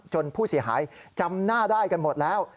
ผู้เสียหายจำหน้าได้กันหมดแล้ว